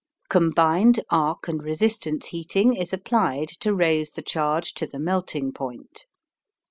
Combined arc and resistance heating is applied to raise the charge to the melting point.